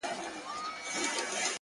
• که خندا ده که ژړا ده په ریا ده ,